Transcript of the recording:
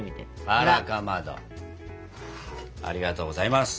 ありがとうございます。